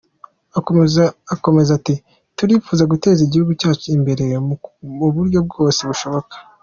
Akomeza ati : “Turifuza guteza igihugu cyacu imbere mu buryo bwose bushoboka.